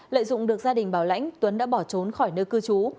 lợi dụng được gia đình bảo lãnh tuấn đã bỏ trốn khỏi nơi cư trú